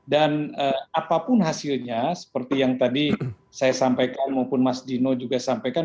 dan apapun hasilnya seperti yang tadi saya sampaikan maupun mas dino juga sampaikan